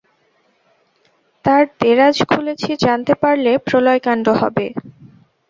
তাঁর দেরাজ খুলেছি জানতে পারলে প্রলয়-কাণ্ড হবে।